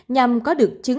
nhằm có được chứng